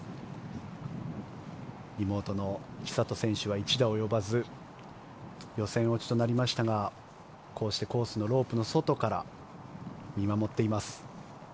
妹の千怜選手は１打及ばず予選落ちとなりましたがこうしてコースのロープの外から見守っています。